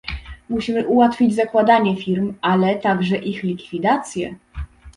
Musimy ułatwić zakładanie firm ale także ich likwidację